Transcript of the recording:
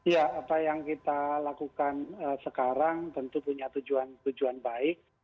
ya apa yang kita lakukan sekarang tentu punya tujuan baik